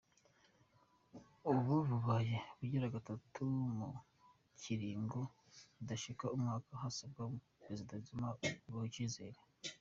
Ubu bubaye ubugira gatatu mu kiringo kidashika umwaka hasabwa ko prezida Zuma akurwako icizere.